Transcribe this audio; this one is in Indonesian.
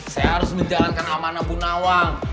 saya harus menjalankan amanah bunawang